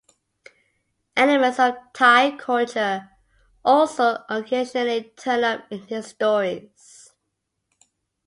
Elements of Thai culture also occasionally turn up in his stories.